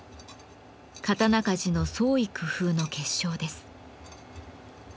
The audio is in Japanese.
刀鍛冶の創意工夫の結晶です。